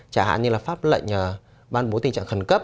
chẳng hạn như là pháp lệnh ban bố tình trạng khẩn cấp